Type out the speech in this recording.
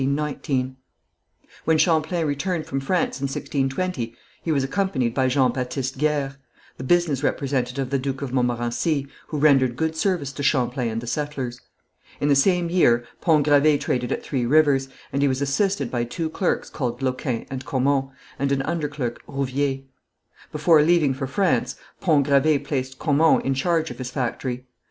When Champlain returned from France in 1620, he was accompanied by Jean Baptiste Guers, the business representative of the Duke of Montmorency, who rendered good service to Champlain and the settlers. In the same year Pont Gravé traded at Three Rivers, and he was assisted by two clerks called Loquin and Caumont, and an underclerk, Rouvier. Before leaving for France, Pont Gravé placed Caumont in charge of his factory.